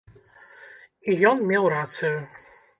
І ён меў рацыю.